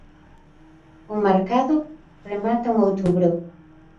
O marcado remata en outubro.